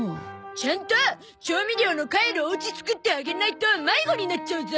ちゃんと調味料の帰るお家作ってあげないと迷子になっちゃうゾ！